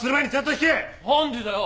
何でだよ！？